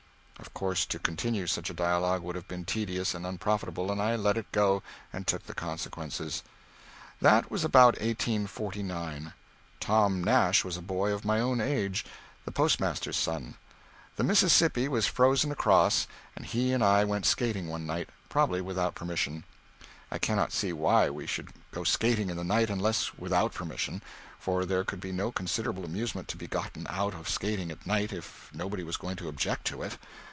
Of course to continue such a dialogue would have been tedious and unprofitable, and I let it go, and took the consequences. That was about 1849. Tom Nash was a boy of my own age the postmaster's son. The Mississippi was frozen across, and he and I went skating one night, probably without permission. I cannot see why we should go skating in the night unless without permission, for there could be no considerable amusement to be gotten out of skating at night if nobody was going to object to it.